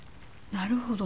なるほど。